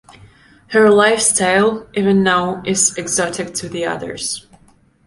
Her lifestyle, even now, is exotic to the others.